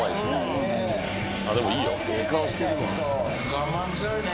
我慢強いね。